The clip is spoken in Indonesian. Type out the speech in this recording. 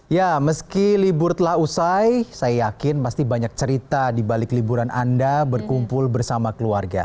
ya meski libur telah usai saya yakin pasti banyak cerita di balik liburan anda berkumpul bersama keluarga